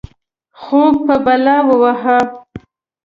خوب په بلا ووهه.